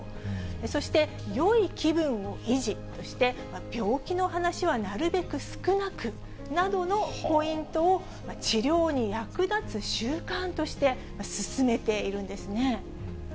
そして、よい気分を維持として、病気の話はなるべく少なくなどのポイントを治療に役立つ習慣として勧めているんですね。